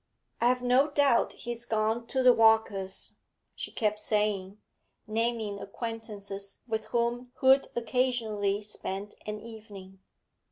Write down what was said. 'I've no doubt he's gone to the Walkers',' she kept saying, naming acquaintances with whom Hood occasionally spent an evening.